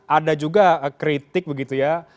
ada juga kritik begitu ya